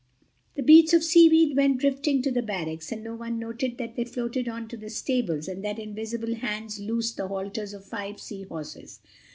The bits of seaweed went drifting to the Barracks, and no one noticed that they floated on to the stables and that invisible hands loosed the halters of five Sea Horses.